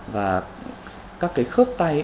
và các cái khớp tay